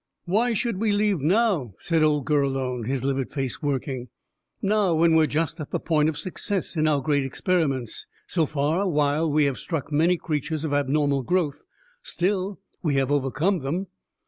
"Why should we leave now?" said old Gurlone, his livid face working. "Now, when we are just at the point of success in our great experiments? So far, while we have struck many creatures of abnormal growth, still, we have overcome them."